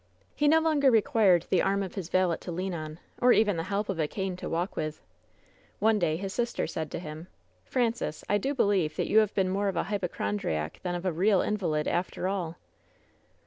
He no longer required the arm of his valet to lean on, or even the help of a cane to walk with. One day his sister said to him : "Francis, I do believe that you have been more of a hynochondriac than of a real invalid, after all.